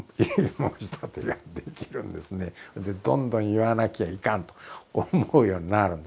でどんどん言わなきゃいかんと思うようになるんですよ。